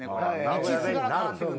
道すがら変わってくるんだ。